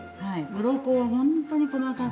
うろこを本当に細かく。